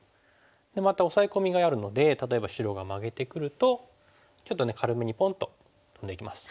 でまたオサエ込みがあるので例えば白がマゲてくるとちょっとね軽めにポンとトンでいきます。